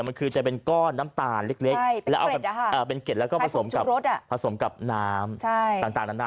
มันคือจะเป็นก้อนน้ำตาลเล็กเป็นเกร็ดแล้วก็ผสมกับน้ำ